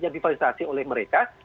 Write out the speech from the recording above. yang difasilitasi oleh mereka